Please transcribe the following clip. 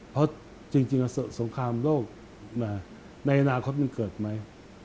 เพราะจริงสงครามโลกในอนาคตมันเกิดไหม